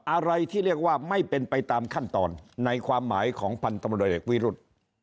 อะไรที่เรียกว่าไม่เป็นไปตามขั้นตอนในความหมายของพันธมรเอกวิรุธ